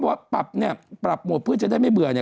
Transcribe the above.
เพราะว่าปรับโหมดเพื่อจะได้ไม่เบื่อ